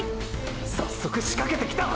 早速しかけてきた！！